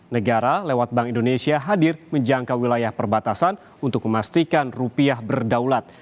negara lewat bank indonesia hadir menjangkau wilayah perbatasan untuk memastikan rupiah berdaulat